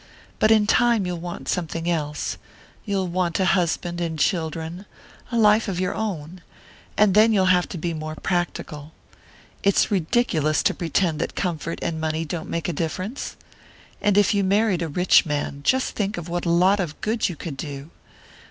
"But in time you'll want something else; you'll want a husband and children a life of your own. And then you'll have to be more practical. It's ridiculous to pretend that comfort and money don't make a difference. And if you married a rich man, just think what a lot of good you could do!